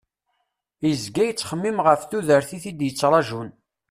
Yezga yettxemmim ɣef tudert i t-id-ittrajun.